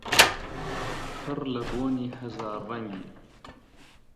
پڕ لە بۆنی هەزار ڕەنگی